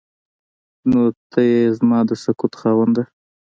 نو ته ای زما د سکوت خاونده.